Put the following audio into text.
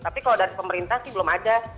tapi kalau dari pemerintah sih belum ada